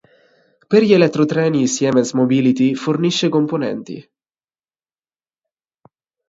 Per gli elettrotreni Siemens Mobility fornisce componenti.